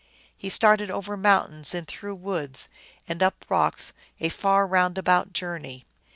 He started over mountains and through woods and up rocks, a far, round about journey.